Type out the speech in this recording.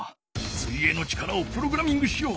水泳の力をプログラミングしよう。